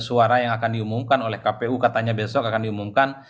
suara yang akan diumumkan oleh kpu katanya besok akan diumumkan